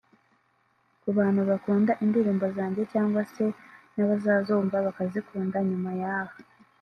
Ku bantu bakunda indirimbo zanjye cyagwa se n’abazazumva bakazikunda nyuma y’aha